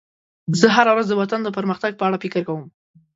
زه هره ورځ د وطن د پرمختګ په اړه فکر کوم.